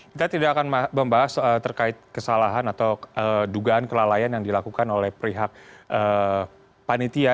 kita tidak akan membahas terkait kesalahan atau dugaan kelalaian yang dilakukan oleh pihak panitia